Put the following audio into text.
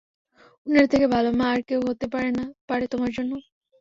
উনার থেকে ভালো মা আর কেউ হতে পারে তোমার জন্য?